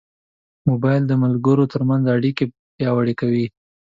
موبایل د ملګرو ترمنځ اړیکې پیاوړې کوي.